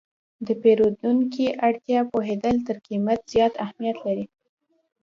د پیرودونکي اړتیا پوهېدل تر قیمت زیات اهمیت لري.